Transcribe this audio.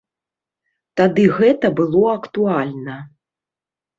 Тады гэта было актуальна.